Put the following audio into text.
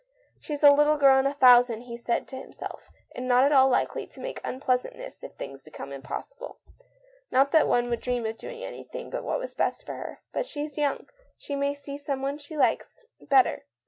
" She's a little girl in a thousand," he said to himself, " and not at all likely to make unpleasantness if things become impos sible. Not that one would dream of doing anything but the l straight thing ' by her ; but she's young — she may see someone she likes better.